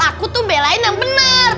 aku tuh belain yang benar